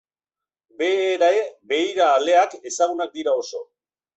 Bere beira-aleak ezagunak dira oso.